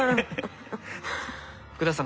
福田さん